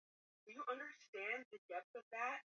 Nunua sukari.